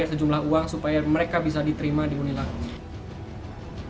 mereka harus membayar sejumlah uang supaya mereka bisa diterima di uni lampung